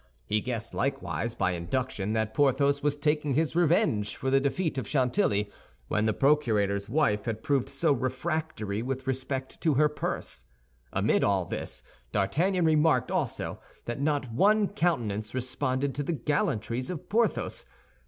He guessed, likewise, by induction, that Porthos was taking his revenge for the defeat of Chantilly, when the procurator's wife had proved so refractory with respect to her purse. Amid all this, D'Artagnan remarked also that not one countenance responded to the gallantries of Porthos.